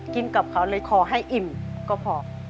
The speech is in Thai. กับเขาเลยขอให้อิ่มก็พอ